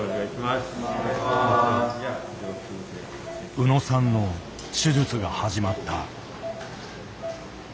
宇野さんの手術が始まった。